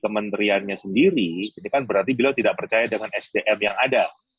kementeriannya sendiri ini kan berarti beliau tidak percaya dengan sdm yang ada